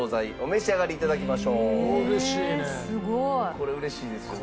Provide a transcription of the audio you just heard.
これうれしいですよね。